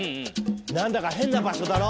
何だか変な場所だろ？